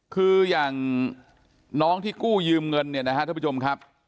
คืออย่างน้องที่กู้ยืมเงินเนี่ยนะฮะท่านผู้ชมครับ